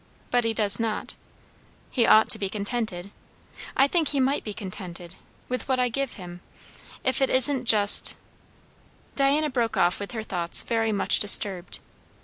But he does not. He ought to be contented I think he might be contented with what I give him, if it isn't just" Diana broke off with her thoughts very much disturbed.